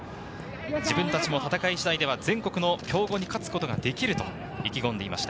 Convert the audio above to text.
自分達も戦い方次第では全国の強豪に勝つことができると意気込んでいました、